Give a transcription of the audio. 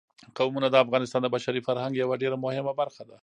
قومونه د افغانستان د بشري فرهنګ یوه ډېره مهمه برخه ده.